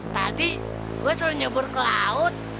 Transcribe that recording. tadi gue selalu nyebur ke laut